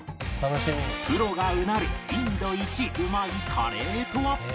プロがうなるインドいちうまいカレーとは？